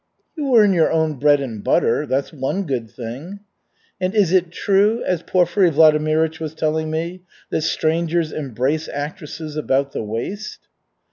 "You earn your own bread and butter. That's one good thing." "And is it true, as Porfiry Vladimirych was telling me, that strangers embrace actresses about the waist?"